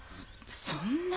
そんな！